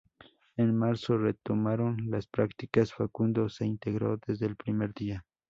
En marzo, retomaron las prácticas, Facundo se integró desde el primer día.